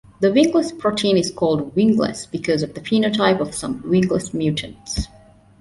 The Wingless protein is called "wingless" because of the phenotype of some "wingless" mutants.